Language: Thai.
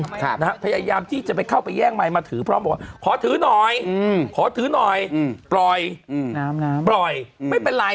ครับนะฮะพยายามที่จะไปเข้าไปแย่งไมค์มาถือพร้อมพอถือหน่อยอืม